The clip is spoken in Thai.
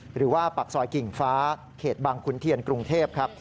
หรือว่าปากซอยกิ่งฟ้าเขตบางขุนเทียนกรุงเทพครับ